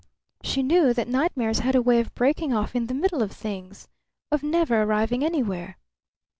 She knew that nightmares had a way of breaking off in the middle of things, of never arriving anywhere.